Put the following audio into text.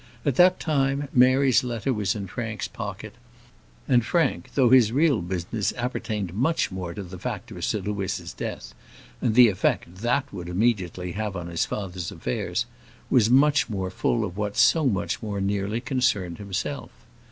At that time Mary's letter was in Frank's pocket; and Frank, though his real business appertained much more to the fact of Sir Louis's death, and the effect that would immediately have on his father's affairs, was much more full of what so much more nearly concerned himself.